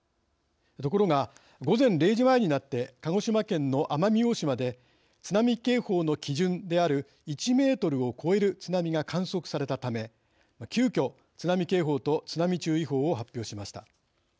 ところが、午前０時前になって鹿児島県の奄美大島で津波警報の基準である１メートルを超える津波が観測されたため急きょ、津波警報と津波注意報を発表しました。